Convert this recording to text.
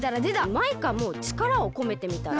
マイカもちからをこめてみたら？